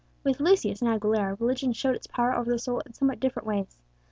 With Lucius and Aguilera religion showed its power over the soul in somewhat different ways.